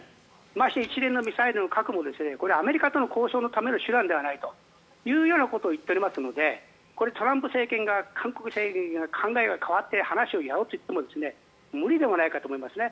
まして一連のミサイルも核もアメリカとの交渉のための手段ではないということを言っておりますのでバイデン政権側韓国政権側考えが変わってもやろうとしても無理ではないかと思いますね。